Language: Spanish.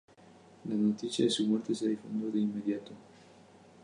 La noticia de su muerte se difundió de inmediato.